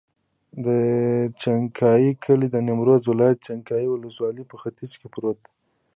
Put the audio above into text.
د چنګای کلی د نیمروز ولایت، چنګای ولسوالي په ختیځ کې پروت دی.